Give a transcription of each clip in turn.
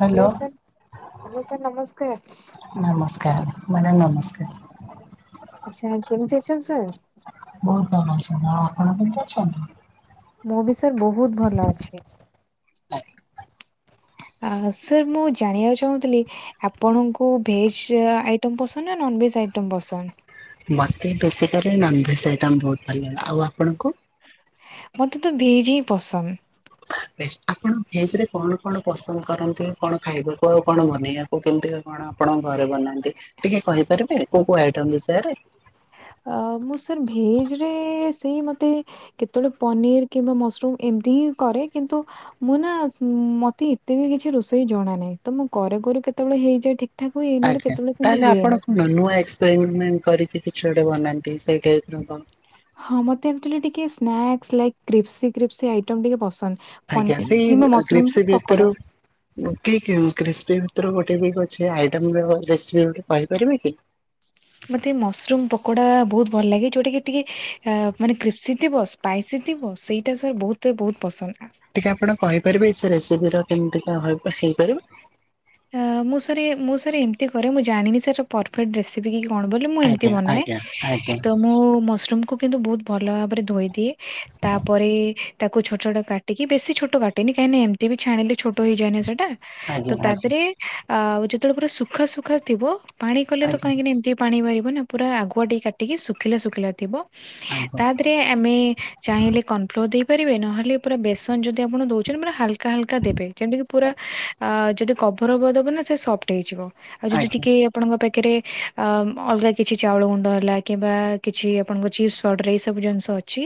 Hello sir hello sir ନମସ୍କାର। ନମସ୍କାର madam ନମସ୍କାର। ଆଚ୍ଛା କେମିତି ଅଛନ୍ତି ସାର୍? ବହୁତ୍ ଭଲ ଅଛନ୍ତି ଆଉ ଆପଣ କେମିତି ଅଛନ୍ତି? ମୁଁ ବି ସାର୍ ବହୁତ ଭଲ ଅଛି। ଆଉ ସାର୍ ମୁଁ ଜାଣିବାକୁ ଚାହୁଁଥିଲି ଆପଣଙ୍କୁ ଭେଜ୍ ଆଇଟମ୍ ପସନ୍ଦ ନା ନନ୍ ଭେଜ ଆଇଟମ୍ ପସନ୍ଦ? ମତେ ବେସୀକାଲି ନନ୍ ଭେଜ୍ ଆଇଟମ୍ ବହୁତ ଭଲ ଲାଗେ ଆଉ ଆପଣଙ୍କୁ? ମତେ ତ ଭେଜ ହିଁ ପସନ୍। ବେଶ୍ ଆପଣ ଭେଜ୍ ରେ କଣ କଣ ପସନ୍ଦ କରନ୍ତି କଣ ଖାଇବାକୁ ଆଉ କଣ ବନେଇବା ଓ କେମିତିକା କଣ ଆପଣଙ୍କ ଘରେ ବନାନ୍ତି ଟିକେ କହିପାରିବେ କୋଉ କୋଉ ଆଇଟମ୍ ବିଷୟରେ? ଅ ମୁଁ ସାର୍ ଭେଜ ରେ ସେଇ ମତେ କେତେବେଳେ ପନିରି କିମ୍ବା ମ ରୁମ୍ ଏମିତି ହିଁ କରେ କିନ୍ତୁ ମୁଁ ନା ମତେ ଏତେ ବି କିଛି ରୋଷେଇ ଜଣା ନାହିଁ ତ ମୁଁ କରୁ କରୁ କେତେବେଳେ ହେଇଯାଏ ଠିକ୍। ଠାକ୍ ହୁଏ ନହେଲେ ଆଜ୍ଞା କେତେବେଳେ ସେମିତି ତାହେଲେ ହୁଏନି। ଆପଣ କଣ ନୂଆ ଏକ୍ସପେରିମେଣ୍ଟ କରିକି କିଛି ଗୋଟେ ବନାନ୍ତି ସେଇ ଟାଇପ୍ ର କଣ ହଁ ମୋତେ ଆକ୍ଚିଆଲି ଟିକେ snacks like crispy crispy item ଟିକେ ପସନ୍ଦ। ଆଜ୍ଞା ପନିର ସେଇ କିମ୍ବା ମସରୁମ ର ଗ୍ରିପ୍ସି ପକୋଡା। ଭିତରୁ କ୍ଲି କିମ୍ କ୍ରୀସ୍ପି ଭିତରୁ ଗୋଟେ ବି କିଛି ଆଇଟମ ର ରେସିପି ଗୋଟେ କହିପାରିବେ କି? ମୋତେ ମସରୁମ୍ ପକୋଡ଼ା ବହୁତ ଭଲ ଲାଗେ ଯେଉଁଟାକି ଟିକେ ମାନେ କ୍ରେପ୍ସିି ଥିବ। ପାଇସି ଥିବ ସେଇଟା ସାର୍ ବହୁତ ବହୁତ ପସନ୍ଦା। ଟିକେ ଆପଣ କହିପାରିବେ ସେ ରେସିପି ର କେମିତି କଣ ହେଇ ପାରିବ? ମୁଁ ସାରେ ମୁଁ ସାରେ ଏମିତି କରେ ମୁଁ ଜାଣିନି ସାର୍ ପର୍ ଡେସିପି କଣ ବୋଲି ମୁଁ ଏମତି ଆଜ୍ଞା ବନାଏ ଆଜ୍ଞା ଆଜ୍ଞା ତ ମୁଁ ମସମକୁ କିନ୍ତୁ ବହୁତ ଭଲ ଭାବରେ ଧୋଇ ଦିଏ ତାପରେ ତାକୁ ଛୋଟ ଛୋଟ କାଟିକି ବେଶି ଛୋଟ କାଟେନି କାହିଁକି ନା ଏମିତି ବି ଛାଣିଲେ ଛୋଟ ହେଇଯାଏନା ସେଟା। ଆଜ୍ଞା ଆଜ୍ଞା। ଏ ଯେତେବେଳେ ପୁରା ସୁଖା ସୁୁଖା ଥିବ ପାଣି କଲେ ତ ଆଜ୍ଞା କାହିଁକି ନା ଏମିତି ପାଣି ବାହାରିବ ନା ପୁରା ଆଗୁଆ ଟିକେ କାଟିକୀ ଶୁଖିଲା ଶୁଖିଲା ଥିବ ଆଜ୍ଞା ତା ଦେ ତେ ଆମେ ଚାହିଁଲେ କନଫ୍ଲୋର ଦେଇ ପାରିବେ ନହେଲେ ପୁରା ବେଶ୍ ମାନେ ଯଦି ଆପଣ ଦଉଚନ୍ତି ପୁରା ହାଲକା ହାଲକା ଦେବେ ଯେ ପୁରା ଆ କଭରବ ଦବ ନା ସେ ସଫ୍ଟ ହେଇଯିବ ଆଉ ଆଜ୍ଞା ଯଦି ଟିକେ ଆପଣଙ୍କ ପାଖରେ ଅ ଅଲଗା କିଛି ଚାଉଳ ଗୁଣ୍ଡ ହେଲା କିମ୍ବା କିଛି ଆପଣଙ୍କ ଚିପ୍ସି। ପାଉଡ୍ଡର ଏ ସବୁ ଜିନିଷ ଅଛି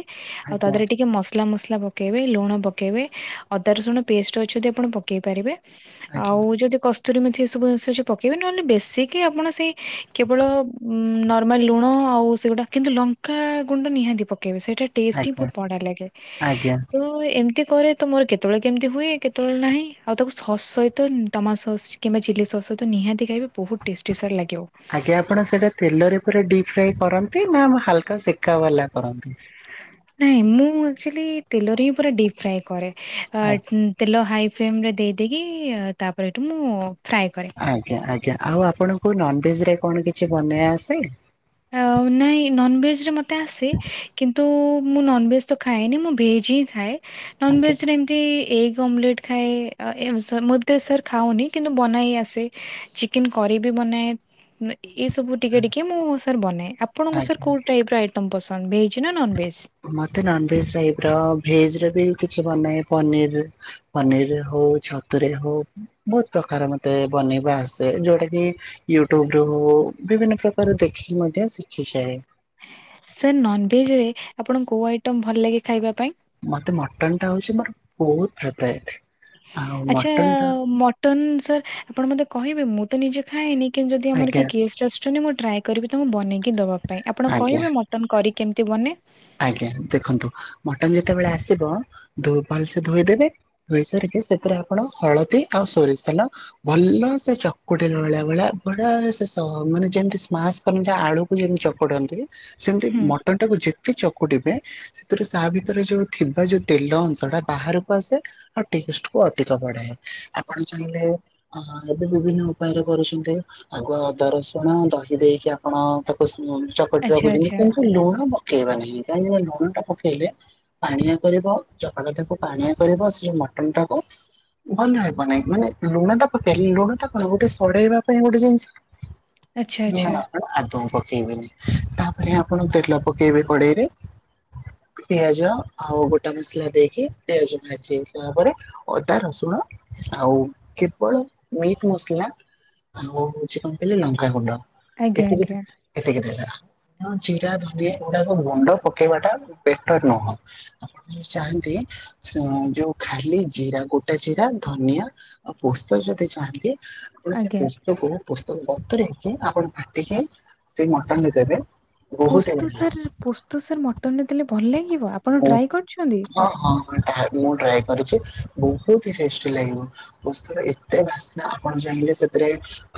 ଆଉ ତା ଆଜ୍ଞା ଆଜ୍ଞା ପରେ ଟିକେ ମଶ୍ ତେଲ ମସଲା ପକେଇବେ ଲୁଣ ପକେଇବେ ଅଦା ରସୁଣ ପେଷ୍ଟ ଅଛି ଯଦି ଆପଣ ପକେଇ ପାରିବେ। ଆଉ ଯଦି କଶ୍ କସ୍ତୁରି ମେଥି ଏ ସବୁ ଅଛି ଯଦି ପକେଇବେ ନହେଲେ ବେଶିକ ଆପଣ ସେଇ କେବଳ ନର୍ମାଲ ଲୁଣ ଆଉ ସେ ତେଉଡ଼ା କିନ୍ତୁ ଲଙ୍କା ଗୁଣ୍ଡ ନିହାତି ପକେଇବେ ସେଇଟା ଟେଷ୍ଟି ଆଜ୍ଞା ବହୁତ ବଡ଼ା ଲାଗେ ଆଜ୍ଞା ତୋ ତ ଏମିତି କରେ ତ ମୋର କେତେବେଳେ କେମିତି ହୁଏ କେତେବେଳେ ନାହିଁ ଆଉ ତାକୁ ଶସ ତ ଟମାଟ ସସ୍ କିମ୍ବା ଚିଲ୍ଲି ସସ୍ ସହିତ ନିହାତି ଖାଇବେ ବହୁତ ଟେଷ୍ଟି ସାର୍ ଲାଗିବ। ଆଜ୍ଞା ଆପଣ ସେଇଟା ତେଲରେ ପୁରା ଡିପ୍ ଫ୍ରାଏ କରନ୍ତି ନା ହାଲକା ସେକା ବାଲା କରନ୍ତି। ନାଇଁ ମୁଁ ଆକ୍ଚୁ ଆଲି ତେଲରେ ହିଁ ପୁରା ଡିପ୍ ଫ୍ରାଏ କରେ। ଆଜ୍ଞା ତେଲ ହାଇ ଫ୍ରେମ୍ ରେ ଦେଇଦେଇକି ତାପରେ ଏଇଠୁ ମୁଁ ଫ୍ରାଏ କରେ। ଆଜ୍ଞା ଆଜ୍ଞା ଆଉ ଆପଣଙ୍କୁ ନନଭେଜ ରେ କଣ କିଛି ବନେଇ ଆସେ? ନାଇଁ ନନ୍ଭେଜ୍ରରେ ମତେ ଆସେ କିନ୍ତୁ ମୁଁ ନନ୍ଭେଜ୍ ତ ଖାଏନି ମୁଁ ଭେଜ୍ ହିଁ ଖାଏ। ନନ ଆଜ୍ଞା ଭେଜରେ ଏମେ୍ ଏଗ୍ ଅମଲେଟ୍ ଖାଏ ଆଉ ଏମ୍ ସାର୍ ମେତେ ସାର୍ ଖାଉନି କିନ୍ତୁ ବନାଇ ଆସେ? ଚିକେନେ୍ କରି ବି ବନାଏ। ଏଇ ସବୁ ଟିକେ ଟିକେ ମୁଁ ସାର୍ ବନାଏ ଆପଣଙ୍କୁ ସାର୍ ଆଜ୍ଞା କୋଉ ଟାଇପ ର ଆଇଟମ୍ ପସନ୍ଦ ଭେଜ ନା ନନ ଭେଜ। ମତେ ନନଭେଜେ୍ ଟାଇପିର ଭେଜରେ ବି କିଛି ବନାଏ ପନିରିରେ। ପନିରିରେ ହଉ ଛତୁରେ ହଉ। ବହୁତ ପ୍ରକାର ମତେ ବନେଇବା ଆସେ ଯୋଉଟା କି ୟୁଟ୍ୟୁବୁ ରୁ ହେଉ ବିଭିନ୍ନ ପ୍ରକାର ଦେଖିକି ମଧ୍ୟ ଶିଖିଯାଏ। ସାର୍ ନନଭେଜ୍ ଆପଣଙ୍କୁ କୋଉ ଆଇଟମ ଭଲ ଲାଗେ ଖାଇବା ପାଇଁ। ମତେ ମଟନ୍ ଟା ହଉଚି ମୋର ବହୁତ ଫେବ୍ରାଇଟ୍। ଆଚ୍ଛା ମ ଟନ୍ ସାର୍ ଆପଣ ମତେ କହିବେ ମୁଁ ତ ନିଜେ ଖାଏନି, କିନ୍ତୁ ଯଦି ଆମର ଆଜ୍ଞା କେହି ଗେଷ୍ଟ ଆସୁଛନ୍ତି ମୁଁ ଟ୍ରାଏ କରିବି ତାଙ୍କୁ ବନେଇକି ଦବା ପାଇଁ। ଆପଣ ଆଜ୍ଞା କହିବେ ମଟନ୍ କରି କେମିତି ବନେ? ଆଜ୍ଞା। ଦେଖନ୍ତୁ ମଟନ୍ ଯେତେବେଳେ ଆସିବ ଧୋ ଭଲସେ ଧୋଇଦେବେ ଧୋଇ ସାରିକି ସେଥିରେ ଆପଣ ହଳଦୀ ଆଉ ସୋରିଷ ତେଲ ଭଲ ସେ ଚକୁଟିଲା ଭଳିଆ ଭଳିଆ ବଢ଼ିଆ ସେ ସ ମାନେ ଯେମତି ସ୍ମାସ୍ କରନ୍ତି ଆଳୁ ଯେମିତି ଚକୁଡନ୍ତି ସେମିତି ହୁଁ ମଟନ୍ ଟାକୁ ଯେତେ ଚକୁଡିବେ ସେଥିରେ ତା ଭିତରେ ଯୋଉ ଥିବା ଯୋଉ ତେଲ ଅଂଶ ଟା ବାହାରକୁ ଆସେ ଆଉ ଟେଷ୍ଟ କୁ ଅଧିକ ବଢାଏ। ଆପଣ ଚାହିଁଲେ ଓ ହଁ। ଏବେ ବିଭିନ୍ନ ଉପାୟରେ କରୁଛନ୍ତି। ଆଗୁଆ ଅଦା ରସୁଣ ଦହି ଦେଇକି ଆପଣ ତାକୁ ଚକଟି ଆଚ୍ଛା [unintelligible] ଆଚ୍ଛା କିନ୍ତୁ ଲୁଣ ପ ପକେଇବାନି। କାହିଁକି ନା ଲୁଣ ଟା ପକେଇଲେ ପାଣିଆ କରିବ ଚକଟା ଟାକୁ ପାଣିଆ କରିବ ସେ ମଟନ ଟାକୁ ଭଲ ହେବନାହିଁ। ମାନେ ଲୁଣ ଟା ପକେଇଲେ ଲୁଣ ଟା କଣ ଗୋଟେ ସଢେଇବା ପାଇଁ ଗୋଟେ ଆଚ୍ଛା ଜିନିଷ। ଆଚ୍ଛା ଲୁଣ ଆପଣ ଆଦୌ ପକେଇବେନି। ତାପରେ ଆପଣ ତେଲ ପକେଇବେ କଡେଇରେ। ପିଆଜ ଆଉ ଗୋଟା ମସଲା ଦେଇକି ପିଆଜ ଭାଜିିବା ହେଇସାରିଲା ପରେ ଅଦା ରସୁଣ ଆଉ କେବଳ ମିଟ୍ ମସଲା ଆଉ ହଉଚି କଣ କହିଲେ ଲଙ୍କାଗୁଣ୍ଡ, ଆଜ୍ଞା ଏତିକି ଆଜ୍ଞା ଏତିକି ଦେଇଦେବା। ହଁ ଜିରା ଧ ଗୁଡାକ ଗୁଣ୍ଡ ପକେଇବା ଟା ବେଟର ନୁହଁ। ଆପଣ ଯଦି ଚାହାନ୍ତି ଯୋଉ ଖାଲି ଜିରା ଗୋଟା ଜିରା ଧନିଆ ଆ ପୋସ୍ତ ଯଦି ଚାହାନ୍ତି ଆପଣ ସେ ଆଜ୍ଞା ପୋସ୍ତ କୁ ପୋସ୍ତ କୁ ବତୁରେଇକି ଆପଣ ବାଟିକି ସେଇ ମଟନ୍ ରେ ଦେବେ ବହୁତ ପୋସ୍ତ ବଢିଆ ଲାଗେ ସାର୍ ପୋସ୍ତ ସାର୍ ମଟନ୍ ରେ ଦେଲେ ଭଲ ଲାଗିବ। ଆପଣ ବହୁତ ଟ୍ରାଏ କରିଛନ୍ତି। ହଁ ହଁ ହଁ ଟ୍ରାଏ ମୁଁ ଟ୍ରାଏ କରିଚି, ବହୁତି ଟେଷ୍ଟି ଲାଗିବ। ପୋସ୍ତ ର ଏତେ ବାସ୍ନା ଆପଣ ଚାହିଁଲେ ସେଥିରେ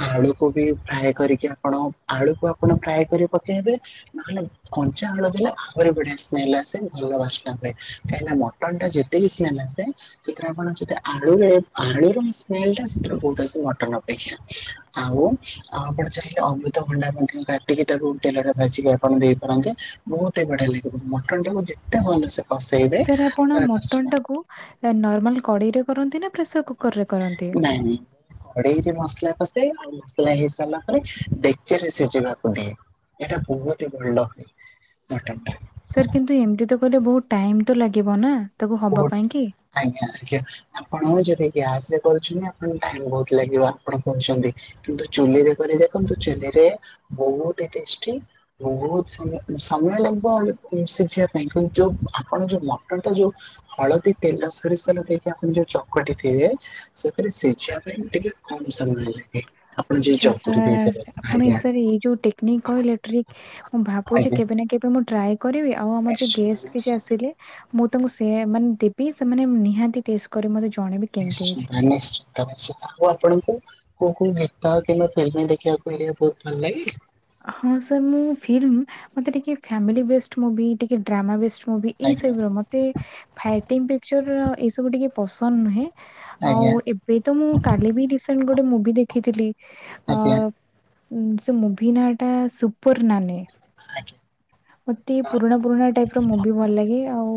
ଆଳୁକୁ ବି ଫ୍ରାଏ କରିକି ଆପଣ ଆଳୁକୁ ଆପଣ ଫ୍ରାଏ କରି ପକେଇବେ। ନହେଲେ କଞ୍ଚା ଆଳୁ ଦେଲେ ଆହୁରି ବଢିଆ ସ୍ମେଲ୍ ଆସେ ଭଲ ବାସ୍ନା ହୁଏ। କାହିଁକିନା ମଟନ୍ ଟା ଯେତେ ବି ସ୍ମେଲ୍ ଆସେ ସେଥିରେ ଆପଣ ଯଦି ଆଳୁରେ ଆଳୁ ର ସ୍ମେଲ୍ ଟା ସେଥିରେ ବହୁତ୍ ଆସେ ମଟନ୍ ଅପେକ୍ଷା। ଆଉ ଆଉ ଆପଣ ଚାହିଁଲେ ଅମୃତଭଣ୍ଡା ମଧ୍ୟ କାଟିକି ତାକୁ ତେଲରେ ଭାଜିକି ଆ ମଟନ ଦେଇପାରନ୍ତେ, ବହୁତ ହିଁ ବଢିଆ ଲାଗିବ। ମଟନ୍ ଟାକୁ ଯେତେ ଭଲସେ କଷେଇବେ ସାର୍ ଆପଣ ତାର ମଟନ୍ ବାସ୍ନା ଟାକୁ ନର୍ମାଲ କଡେଇ ରେ କରନ୍ତି ନା ପ୍ରେସର କୁକର ରେ କରନ୍ତି? ନାଇଁ ନାଇଁ। ଘଡେଇରେ ମସଲା କସେ, ଆଉ ମସଲା ହେଇ ସାରିଲା ପରେ ଡେକ୍ଚି ରେ ସିଝିବାକୁ ଦିଏ। ଏଟା ବହୁତି ଭଲ ମଟନ୍ ଟା। ସାର୍ କିନ୍ତୁ ଏମତି ତ କହିଲେ ବହୁତ ଟାଇମ୍ ତ ଲାଗିବ ନା ତାକୁ ହବା ପାଇଁ କି। ଆଜ୍ଞା ଆଜ୍ଞା। ଆପଣ ଯଦି ଗ୍ୟାସ୍ ରେ କରୁଛନ୍ତି ଆପଣଙ୍କୁ ଟାଇମ୍ ବହୁତ ଲାଗିବ ଆପଣ କହୁଛନ୍ତି। କିନ୍ତୁ ଚୁଲିରେ କରି ଦେଖନ୍ତୁ, ଚୁଲିରେ ବହୁତି ଟେଷ୍ଟି ବହୁତ ସମୟ, ସମୟ ଲାଗିବ ସିଝିବା ପାଇଁ। କିନ୍ତୁ ଆପଣ ଯୋଉ ମଟନ୍ ଟା ଯୋଉ ହଳଦୀ ତେଲ ସୋରିଷ ତେଲ ଦେଇକି ଆପଣ ଯୋଉ ଚକଟି ଥିବେ ସେଥିରେ ସିଝିବା ପାଇଁ ଟିକେ କମ୍ ସମୟ ଲାଗେ। ଆପଣ ଯ ଆଚ୍ଛା ଚକୁଟି ସାର୍ ଦେଇଦେବେ ଆପଣ ଏ ଆଜ୍ଞା ସାର୍ ଏଇ ଯୋଉ ଟେ ଟେକ୍ନିକ୍ କହିଲେ ଟ୍ରିକ୍ ମୁଁ ଭାବୁଚି ଆଜ୍ଞା କେବେ ନା କେବେ ମୁଁ ଟ୍ରାଏ କରିବି। ଆଉ ଆମର ଯଉ ନିଶ୍ଚିନ୍ତ ଗେଷ୍ଟ କିଛି ନିଶ୍ଚିନ୍ତ। ଆସିଲେ ମୁଁ ତାଙ୍କୁ ସେ ମାନେ ଦେବି ସେମାନେ ନିହାତି ଟେଷ୍ଟ କରି ମତେ ଜଣେଇବେ କେମିତି ହେଇଛି। ନିଶ୍ଚିନ୍ତ ନିଶ୍ଚିତ। [unintelligible] ତାକୁ ଆପଣଙ୍କୁ କୋଉ କୋଉ ଗୀତ କିମ୍ବା ଫିଲ୍ମ ଦେଖିବାକୁ ହେଲେ ବହୁତ ଭଲ ଲାଗେ? ହଁ ସାର୍ ମୁଁ ଫିଲ୍ମ ମତେ ଟିକେ ଫ୍ୟାମିଲି ବେଷ୍ଟ ମୁଭି ଟିକେ ଡ୍ରାମା ବେଷ୍ଟ ମୁଭି ଏଇ ଆଜ୍ଞା ସବୁ ର ମତେ ଫାଇଟିଙ୍ଗ ପିକଚର ଏଇ ସବୁ ଟିକେ ପସନ୍ଦ ନୁହେଁ। ଆଉ ଆଜ୍ଞା ଏବେ ତ ମୁଁ କାଲି ବି ରସେଣ୍ଟ ଗୋଟେ ମୁଭି ଦେଖିଥିଲି। ଅ ଆଜ୍ଞା ସେ ମୁଭି ନା ଟା ସୁପର ନାନୀ। [unintelligible] ମତେ ପୁରୁଣା ପୁରୁଣା ଟାଇପ୍ ର ମୁଭି ଭଲ ଲାଗେ ଆଉ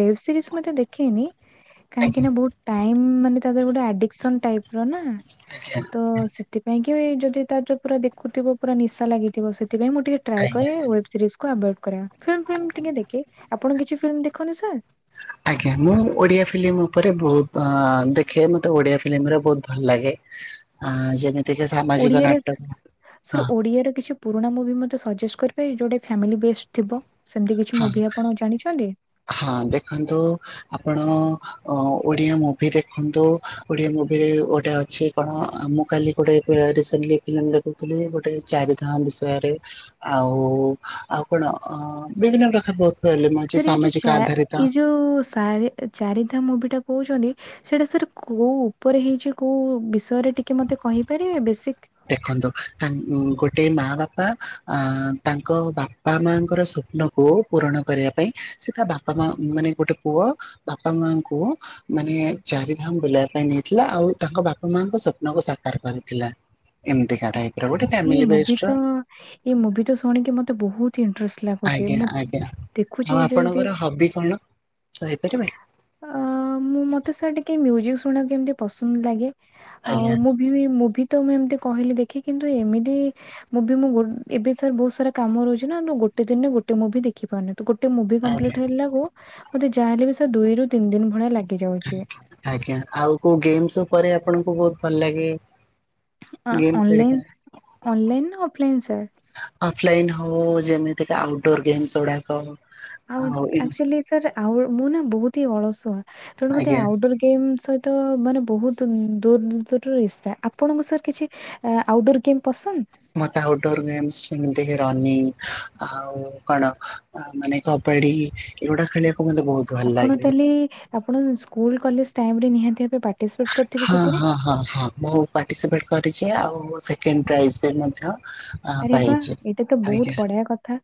ୱେବ୍ ସିରିଜ ମତେ ଦେଖେନି କାହିଁକି ଆଜ୍ଞା। ନା ବହୁତ ଟାଇମ୍ ମାନେ ତା ଧିଅରେ ଗୋଟେ ଆଡିକସ ଟାଇପ ର ନା ତ ସେଥିପାଇଁ କି ଯଦି ତା ପୁରା ଦେଖଥିବ ପୁରା ନିଶା ଲାଗିଥିବ ସେଥିପାଇଁ ମୁଁ ଟିକେ ଟ୍ରାଏ ଆଜ୍ଞା କରେ ୱେବ ସିରିଜ କୁ କୁ ଆଭୋଏଡ୍ କରେ। ଫିଲ୍ମ ଫିଲ୍ମ୍ ଟିକେ ଦେଖେ। ଆପଣ କିଛି ଫିଲ୍ମ ଦେଖନ୍ତି ସାର୍? ଆଜ୍ଞା ମୁଁ ଓଡିଆ ଫିଲ୍ମ ଉପରେ ବହୁତ ଆ ଦେଖେ। ମତେ ଓଡିଆ ଫିଲ୍ମଗୁଡା ବହୁତ ଭଲ ଲାଗେ। ଆ ଯେମିତି ଓଡିଆରେ ସାର୍ ଓଡିଆର କିଛି ପୁରୁଣା ମୁଭି ମତେ ସଜେଷ୍ଟ କରିପାରିବେ ଯୋଉଟାକି ଫଫ୍ୟାମିଲୀ ବେଷ୍ଟ ଥିବ। ସେମିତି କିଛି ହଁ ମୁଭି ଆପଣ ଜାଣିଛନ୍ତି? ହଁ ଦେଖନ୍ତୁ ଆପଣ ଅ ଓଡିଆ ମୁଭି ଦେଖନ୍ତୁ ଓଡିଆ ମୁଭିରେ ଗୋଟେ ଅଛି କଣ ମୁଁ କାଲି ଗୋଟେ ରିସେଣ୍ଟଲି ଦେଖୁଥିଲି ଗୋଟେ ଚାରିଧାମ ବିଷୟରେ ଆଉ ଆଉ କଣ ଅ ବିଭିନ୍ନ ପ୍ରକାର ବହୁତ ଫିଲ୍ମଅଛି ସାମାଜିକ ଆଧାରିତ ଚାରି ଚାରିଧାମ ମୁଭିଟା କହୁଚନ୍ତି ସେଇଟା ସାର୍ କୋଉ ଉପରେ ହେଇଚି କୋଉ ବିଷୟରେ ଟିକେ ମତେ କହିପାରିବେ ବେସିକ୍। ଦେଖନ୍ତୁ ତା ଗୋଟେ ମା ବାପା ଅ ତାଙ୍କ ବା ବାପା ମାଙ୍କର ସ୍ୱପ୍ନକୁ ପୂରଣ କରିବା ପାଇଁ ସେ ତା ବାପା ମା ମାନେ ଗୋଟେ ପୁଅ ବାପା ମାଆଙ୍କୁ ମାନେ ଚାରିଧାମ ବୁଲେଇବା ପାଇଁ ନେଇଥିଲା ଆଉ ତାଙ୍କ ବାପା ମାଙ୍କ ସ୍ୱପ୍ନକୁ ସାକାର କରିଥିଲା। ଏମିତିକା ଟାଇପ୍ ର ଗୋଟେ ଅଛି ଏଇ ଫ୍ୟାମିଲୀ ମୁଭି ବେଷ୍ଟ୍ ର। ତ ଏଇ ମୁଭି ଟା ଶୁଣିକି ମତେ ବହୁତ ଇଟ୍ରେଷ୍ଟ ଲାଗୁଚି। ଆଜ୍ଞା ମୁଁ ଆଜ୍ଞା ଦେଖୁଚି ଯଦି ଗାଇପରିବେ? ଅ ମୁଁ ମତେ ସାର୍ ଟିକେ ମ୍ୟୁଜିକ୍ ଶୁଣିବାକୁ ଏମିତି ପସନ୍ଦ ଲାଗେ। ଆଉ ଆଜ୍ଞା ମୁଁ ମୁଭି ତ ମୁଁ ଏମିତି କହିଲି ଦେଖି କିନ୍ତୁ ଏମିତି ମୁଭି ମୁଁ ଗୋ ଏବେ ସାର୍ ବହୁତ ସାରା କାମ ରହୁଚି ନାଁ ଗୋଟେ ଦିନରେ ଗୋଟ ମୁଭି ଦେଖି ପାରୁନି। ତ ଗୋଟେ ମୁଭି ଆଜ୍ଞା କମ୍ପ୍ଲିଟ ହେଲା କୁ ମତେ ଯାହା ହେଲେ ବି ସେ ଦୁଇ ରୁ ତିନି ଦିନ ଭଳିଆ ଲାଗି ଯାଉଚି। ଆଜ୍ଞା ଆଉ କୋଉ ଗେମ୍ସ ଉପରେ ଆପଣଙ୍କୁ ବହୁତ ଭଲ ଲାଗେ? ଗେମ୍ସ ହେରିକା ଅନଲାଇନ୍ ଅନଲାଇନ୍ ନା ଅଫଲାଇନ୍ ସାର୍? ଅଫଲାଇନ ହଉ ଯେମିତିକା ଆଉଟଡୋର ଗେମସ ଗୁଡାକ ଆଉ ଆକ୍ଚୁଆଲି ସାର୍ ଆଉ ମୁଁ ନା ବହୁତ ହି ଅଳସୁଆ ତେଣୁ ମତେ ଆଜ୍ଞା ଆଉଟଡୋର ଗେମ୍ ସ ତ ମାନେ ବହୁତ ଦୂର ଦୂର ଇସ୍ତା ଆପଣଙ୍କ ସାର୍ କିଛି ଆ ଆଉଟଡୋର୍ ଗେମ୍ ପସନ୍ଦ? ମତେ ଆଉଟଡୋର ଗେମସ ଯେମିତିକି ରନିଂ ଆଉ କଣ ମାନେ କବାଡି ଏଗୁଡା ଖେଳିବାକୁ ମତେ ବହୁତ ଭଲ ଆପଣ ଲାଗେ। ତାହଲେ ଆପଣ ସ୍କୁଲ କଲେଜ ଟାଇମରେ ନିହାତି ଭାବେ ପା ହଁ ହଁ ହଁ ହଁ। ମୁ ପାର୍ଟିସିପେଟ କରିଛି ଆଉ ସେକେଣ୍ଡ ପ୍ରାଇଜ୍ ବି ମଧ୍ୟ ଆରେ ବାଃ ପାଇଛି। ଏଇଟା ତ ବହୁତ ଆଜ୍ଞା ବଢିଆ କଥା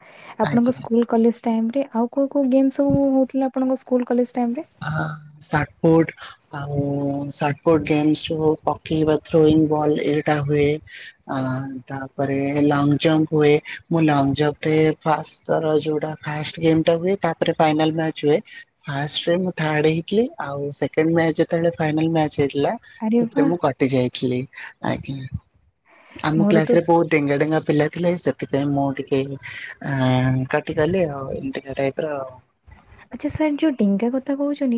ଆପଣଙ୍କ ଆଜ୍ଞା। ସ୍କୁଲ୍ କଲେଜ ଟାଇମରେ ଆଉ କୋଉ କୋଉ ଗେମ୍ ସବୁ ହୋଉଥିଲା ଆପଣଙ୍କ ସ୍କୁଲ୍ କଲେଜ ଟାଇମରେ? ହଁ ସାଟଫୁଟ୍। ଆଉ-ଉ-ଉ-ଉ ସଟଫୁଟ୍ ଗେମସ୍ ଯୋଉ ପକେଇବା ଥ୍ରୋଇଙ୍ଗ୍ ବଲ୍ ଏଇଟା ହୁଏ। ଆଁ ତାପରେ ଲଙ୍ଗ୍ ଜମ୍ପ୍ ହୁଏ ମୁଁ ଲଙ୍ଗ୍ ଜମ୍ପରେ ଫାଷ୍ଟ ତାର ଯୋଉଟା ଫାଷ୍ଟ ଗେମ୍ ଟା ହୁଏ ତାପରେ ଫାଇନାଲ୍ ମ୍ୟାଚ୍ ହୁଏ ଫାଷ୍ଟରେ ମୁଁ ଥାର୍ଡ ହେଇଥିଲି ଆଉ ସେକେଣ୍ଡ ମ୍ୟାଚ୍ ଯେତେବେଳେ ଫାଇନାଲ ମ୍ୟାଚ୍ ହେଇଥିଲା, ଆରେ ସେଥିରେ ବା ମୁଁ କଟ୍ କଟି ଯାଇଥିଲି, ଆଜ୍ଞା ଆମ ମୋର ତ କ୍ଲାସରେ ବହୁତ ସ୍- ଡେଙ୍ଗା ଡେଙ୍ଗା ପିଲା ଥିଲେ ସେ ସେଥିପାଇଁ ମୁଁ ଟିକେ ଆଁ କଟିଗଲି ଆଉ ଏମିତିକା ଟାଇପର। ଆଚ୍ଛା ସାର୍ ଯୋଉ ଡେଙ୍ଗା କଥା କହୁଛନ୍ତି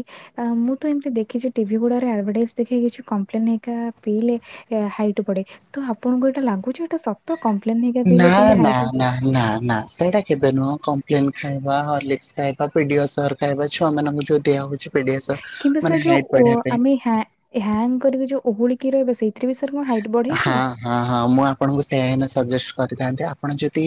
ମୁଁ ତ ଏମିତି ଦେଖିଛି ଟିଭି ଗୁଡାରେ ଆଡଭଟାଇଜ୍ ଦେଖେ କିଛି କମ୍ପ୍ଲେନ୍ ହେଇକା ପିଇଲେ ହାଇଟ୍ ବଢେ, ତ ଆପଣଙ୍କୁ ଏଇଟା ଲାଗୁଛି ଏଇଟା ସତ କମ୍ପ୍ଲେନ ହେଇକା ନା ପିଇଲେ ସେମତି ନା ହାଇଟ୍ ନା ନା ନା ସେଇଟା କେବେ ନୁହଁ କମ୍ପ୍ଲେନ୍ ଖାଇବା ହରଲିକସ ଖାଇବା ପିଡିଅସୋର୍ ଖାଇବା, ଛୁଆମାନଙ୍କୁ ଯୋଉ ଦିଆ ହଉଛି ପେଡିଆସିଓର୍ କିମ୍ବା ସାର୍ ମାନେ ଯୋଉ ହାଇଟ୍ ବଢିବା ଓ- ପାଇଁ। ଆମେ ହ୍ୟା ହ୍ୟାଙ୍ଗ କରିକି ଯୋଉ ଓହଳିକି ରହିବ ସେଇଥିରେ ବି ସାର୍ କଣ ହାଇଟ୍ ବଢେ କି? ହଁ-ହଁ, ମୁଁ ଆପଣଙ୍କୁ ସେୟା ଏଇନା ସଜେଷ୍ଟ କରିଥାନ୍ତି ଆପଣ ଯଦି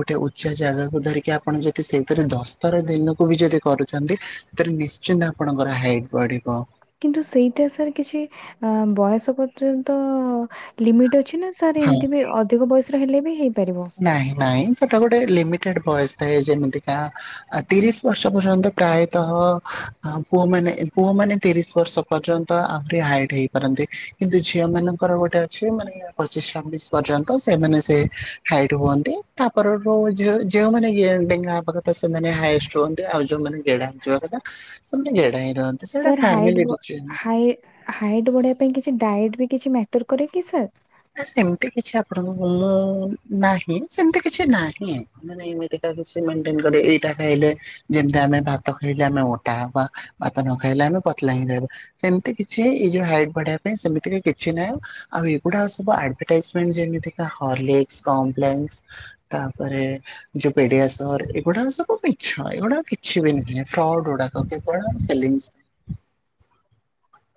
ଗୋଟେ ଉଚ୍ଚା ଜାଗାକୁ ଧରିକି ଆପଣ ଯଦି ସେଇଥିରେ ଦଶଥର ଦିନକୁ ବି ଯଦି କରୁଛନ୍ତି ସେଥିରେ ନିଶ୍ଚିନ୍ତ ଆପଣଙ୍କର ହାଇଟ୍ ବଢିବ। କିନ୍ତୁ ସେଇଟା ସାର୍ କିଛି ବୟସ ପର୍ଯ୍ୟନ୍ତ ଲିମିଟ୍ ଅଛି ନା ସାର୍ ହଁ ଏମିତି ବି ଅଧିକ ବୟସର ହେଲେ ବି ହେଇପାରିବ? ନାହିଁ ନାହିଁ, ସେଟା ଗୋଟେ ଲିମିଟେଡ୍ ବୟସ ଥାଏ ଯେମିତିକା ଆ ତିରିଶ ବର୍ଷ ପର୍ଯ୍ୟନ୍ତ ପ୍ରାୟତଃ ପୁଅମାନେ ପୁଅମାନେ ତିରିଶ ବର୍ଷ ପର୍ଯ୍ୟନ୍ତ ଆହୁରି ହାଇଟ୍ ହେଇପାରନ୍ତି କିନ୍ତୁ ଝିଅମାନଙ୍କର ଗୋଟେ ଅଛି ମାନେ ପଚିଶ ଛବିଶ ପର୍ଯ୍ୟନ୍ତ ସେମାନେ ସେ ହାଇଟ୍ ହୁଅନ୍ତି ତାପରଠୁ ଝିଅ ଯେଉଁମାନେ ଗେ ଡେଙ୍ଗା ହେବା କଥା ସେମାନେ ହାଏଷ୍ଟ ହୁଅନ୍ତି ଆଉ ଯୋଉମାନେ ଗେଡା ହେଇଯିବା କଥା ସେମାନେ ଗେଡା ହେଇ ରହନ୍ତି ସେଟା ଫ୍ୟାମିଲି [unintelligible] ଆଉ ଏ ହାଇଟ୍ ବଢେଇବା ପାଇଁ କିଛି ଡାଜଟ୍ ବି କିଛି ମ୍ୟାଟର କରେ କି ସାର୍? ନା ସେମିତି କିଛି ଆପଣଙ୍କ ମୁଁ ନାହିଁ ସେମତି କିଛି ନାହିଁ। ମାନେ ଏମିତିକା କିଛି ମେଣ୍ଟେନ କରିବେ ଏଇଟା ଖାଇଲେ ଯେମିତି ଆମେ ଭାତ ଖାଇଲେ ଆମେ ମୋଟା ହବା ଭାତ ନ ଖାଇଲେ ଆମେ ପତଲା ହିଁ ରହିବା। ସେମିତି କିଛି ଏଇ ଯୋଉ ହାଇଟ୍ ବଢେଇବା ପାଇଁ ସେମିତି କିଛି ନାହିଁ ଆଉ ଏଗୁଡା ସ ଏବେ ଆଡଭଟାଇଜମେଣ୍ଟ୍ ଯେମିତିକା ହରଲିକ୍ସ କମ୍ପ୍ଲେନସ୍ ତାପରେ ଯୋଉ ପେଡିଆସୋର୍ ଏଗୁଡା ସବୁ ମିଛ ଏଗୁଡା କିଛି ବି ନୁହେଁ ଫ୍ରଡ୍ ଗୁଡାକ କେବଳ ସେଲିଂସ୍ ପାଇଁ।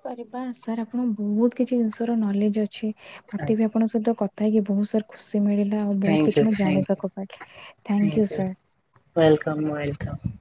କରିବା ସାର୍ ଆପଣଙ୍କ ବହୁତ କିଛି ଜିନିଷର ନଲେଜ ଅଛି ମତେ ବି ଆପଣଙ୍କ ସହିତ କ କଥା ହେଇକି ବହୁତ ସାର୍ ଖୁସି ମିଳିଲା ଆଉ ଥ୍ୟାଙ୍କ ବହୁତ ୟୁ କିଛି ମୁଁ ଥ୍ୟାଙ୍କ ୟୁ ଜାଣିବାକୁ ପାଇଲି thank you sir. Welcome welcome.